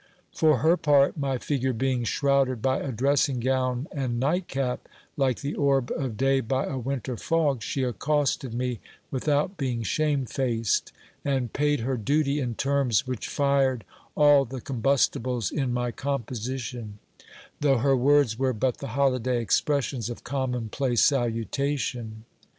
For her part, my figure being shrouded by a dressing gown and night cap, like the orb of day by a winter fog, she accosted me without being shame faced, and paid her duty in terms which fired all the combustibles in my composition, though her words were but the holiday expressions of common place salutation.